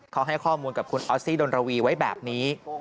เขาให้ข้อมูลกับคุณออสซี่ดนรวีไว้แบบนี้